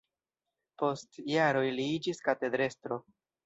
Post jaroj li iĝis katedrestro.